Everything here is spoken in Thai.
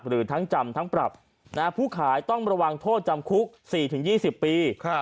หรือทั้งจำทั้งปรับผู้ขายต้องระวังโทษจำคุก๔๒๐ปี